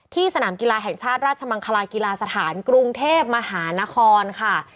สนามกีฬาแห่งชาติราชมังคลากีฬาสถานกรุงเทพมหานครค่ะ